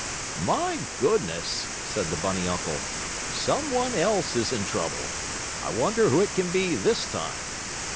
"My goodness!" said the bunny uncle. "Some one else is in trouble. I wonder who it can be this time?"